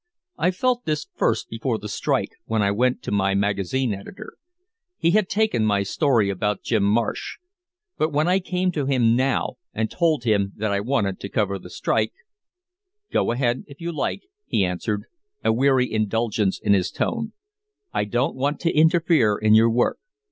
I felt this first before the strike, when I went to my magazine editor. He had taken my story about Jim Marsh, but when I came to him now and told him that I wanted to cover the strike, "Go ahead if you like," he answered, a weary indulgence in his tone, "I don't want to interfere in your work.